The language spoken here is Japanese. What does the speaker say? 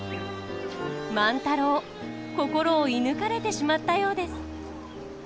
万太郎心を射ぬかれてしまったようです。